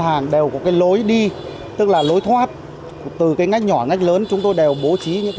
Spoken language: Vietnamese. hàng đều có cái lối đi tức là lối thoát từ cái ngách nhỏ ngách lớn chúng tôi đều bố trí những cái